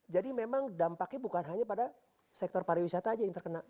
jadi memang dampaknya bukan hanya pada sektor pariwisata saja yang terkena